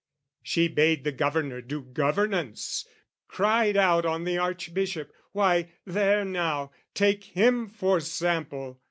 She bade the Governor do governance, Cried out on the Archbishop why, there now, Take him for sample!